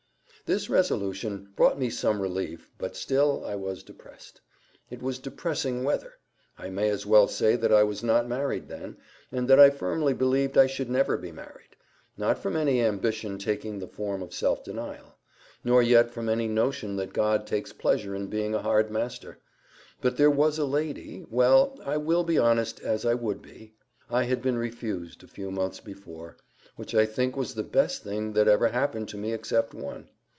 This resolution brought me some relief, but still I was depressed. It was depressing weather.—I may as well say that I was not married then, and that I firmly believed I never should be married—not from any ambition taking the form of self denial; nor yet from any notion that God takes pleasure in being a hard master; but there was a lady—Well, I WILL be honest, as I would be.—I had been refused a few months before, which I think was the best thing ever happened to me except one.